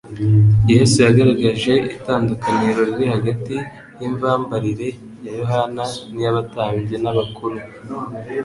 Yesu yagaragaje itandukaniro riri hagati y'imvambarire ya Yohana n'iy'abatambyi n'abakuru.